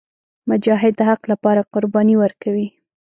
مجاهد د حق لپاره قرباني ورکوي.